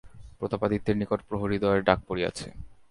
প্রতাপাদিত্যের নিকট প্রহরীদ্বয়ের ডাক পড়িয়াছে।